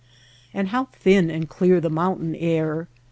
And how thin and clear the mountain air